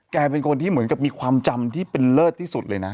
แกเป็นคนที่เหมือนกับมีความจำที่เป็นเลิศที่สุดเลยนะ